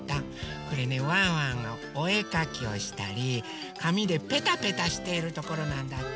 これねワンワンのおえかきをしたりかみでペタペタしてるところなんだって。